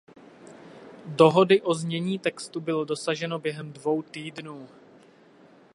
Dohody o znění textu bylo dosaženo během dvou týdnů.